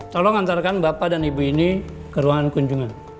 tolong antarkan bapak dan ibu ini ke ruangan kunjungan